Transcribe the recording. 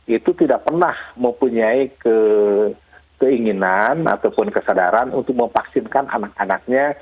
itu tidak pernah mempunyai keinginan ataupun kesadaran untuk memvaksinkan anak anaknya